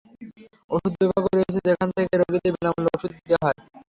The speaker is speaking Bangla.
ওষুধ বিভাগও রয়েছে, যেখান থেকে রোগীদের বিনা মূল্যে ওষুধ দেওয়া হয়।